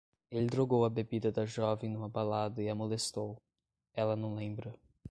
Ele drogou a bebida da jovem numa balada e a molestou. Ela não lembra